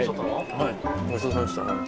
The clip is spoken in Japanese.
はいごちそうさまでした。